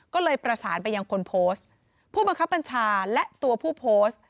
ก็เลยประสานไปยังคนโพสต์ผู้บังคับบัญชาและตัวผู้โพสต์